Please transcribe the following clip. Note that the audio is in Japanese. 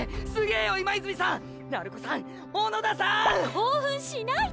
興奮しないで！